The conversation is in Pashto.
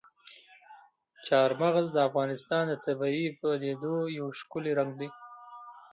چار مغز د افغانستان د طبیعي پدیدو یو ښکلی رنګ دی.